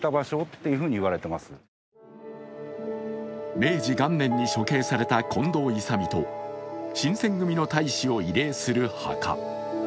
明治元年に処刑された近藤勇と新選組の隊士を慰霊する墓。